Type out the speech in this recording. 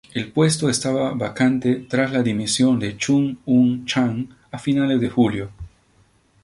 El puesto estaba vacante tras la dimisión de Chung Un-chan a finales de julio.